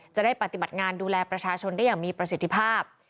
จะได้ปฏิบัติงานดูแลประชาชนได้อย่างมีประสิทธิภาพ